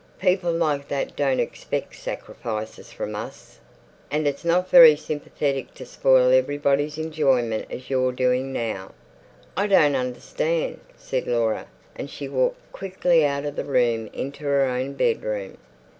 "People like that don't expect sacrifices from us. And it's not very sympathetic to spoil everybody's enjoyment as you're doing now." "I don't understand," said Laura, and she walked quickly out of the room into her own bedroom.